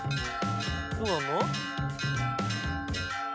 どうなんの？